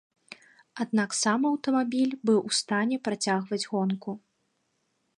Аднак сам аўтамабіль быў у стане працягваць гонку.